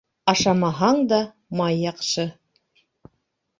Ашамаһаң да май яҡшы